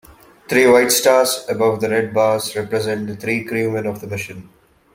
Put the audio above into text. Three white stars above the red bars represent the three crewmen of the mission.